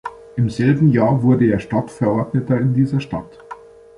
Im selben Jahr wurde er Stadtverordneter in dieser Stadt.